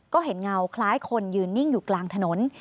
ก็เห็นเงาคล้ายคนยืนนิ่งอยู่กลางถนน